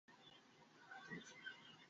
এই ছেলে আমাদের লজ্জায় ডোবাবে।